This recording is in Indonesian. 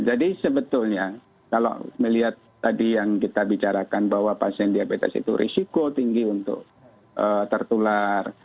jadi sebetulnya kalau melihat tadi yang kita bicarakan bahwa pasien diabetes itu risiko tinggi untuk tertular